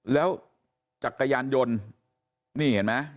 แล้วจักรยานยนต์นี่เห็นไหม